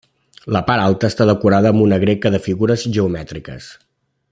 La part alta està decorada amb una greca de figures geomètriques.